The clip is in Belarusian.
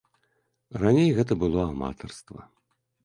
Раней гэта было аматарства.